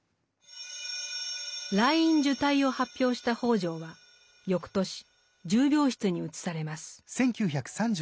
「癩院受胎」を発表した北條は翌年重病室に移されます。